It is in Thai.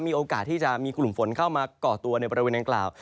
มีโอกาสที่จะมีกลุ่มฝนเข้ามาก่อตัวในบริเวณดังกล่าว